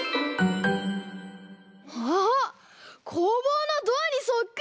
ああっこうぼうのドアにそっくり！